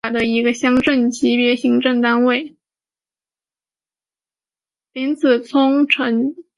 林子聪曾就读五旬节林汉光中学。